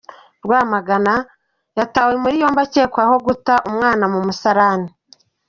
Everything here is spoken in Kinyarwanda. Rwamagana: Yatawe muri yombi akekwaho guta umwana mu musarani